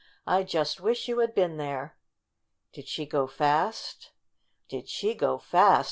I just wish you had been there!" "Did she go fast?" "Did she go fast